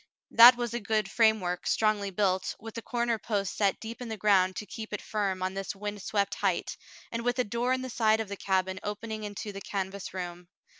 That was a good framework, strongly built, with the corner posts set deep in the ground to keep it firm on this wind swept height, and with a door in the side of the cabin opening into the canvas room.